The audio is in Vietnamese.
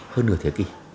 hơn nửa thế kỷ